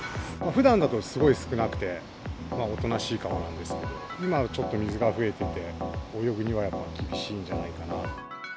ふだんだとすごい少なくて、おとなしい川なんですけど、今、ちょっと水が増えてて、泳ぐにはやっぱ厳しいんじゃないかな。